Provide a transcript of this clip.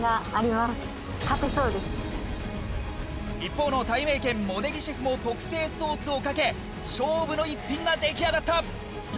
一方のたいめいけん茂出木シェフも特製ソースをかけ勝負の一品が出来上がった。